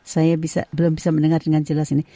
saya belum bisa mendengar dengan jelas ini